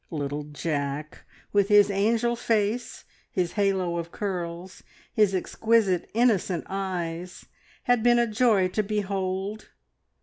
Little Jack, with his angel face, his halo of curls, his exquisite, innocent eyes, had been a joy to behold.